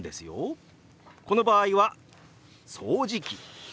この場合は掃除機。